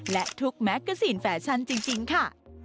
และทุกแมกกาซีนแฟชั่นจริงค่ะ